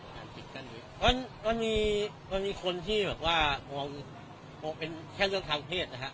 ติดกันนี้มันมีมันมีคนที่แบบว่ามองมองเป็นแค่เรื่องทางเพศนะฮะ